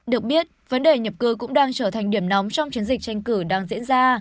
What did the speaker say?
được biết vấn đề nhập cư cũng đang trở thành điểm nóng trong chiến dịch tranh cử đang diễn ra